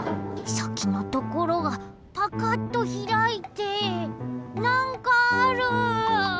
さきのところがぱかっとひらいてなんかある！